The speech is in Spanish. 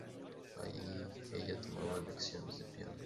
Allí, ella tomaba lecciones de piano.